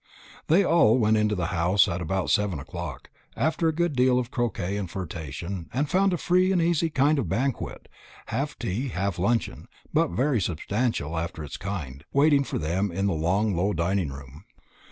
They all went into the house at about seven o'clock, after a good deal of croquet and flirtation, and found a free and easy kind of banquet, half tea, half luncheon, but very substantial after its kind, waiting for them in the long low dining room.